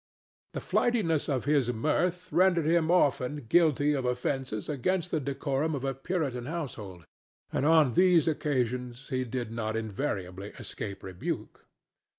The flightiness of his mirth rendered him often guilty of offences against the decorum of a Puritan household, and on these occasions he did not invariably escape rebuke.